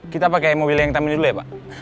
kita pakai mobil yang time dulu ya pak